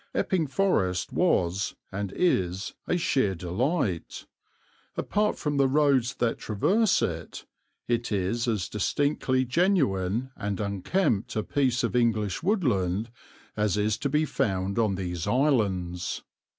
Epping Forest was and is a sheer delight. Apart from the roads that traverse it, it is as distinctly genuine and unkempt a piece of English woodland as is to be found on these islands.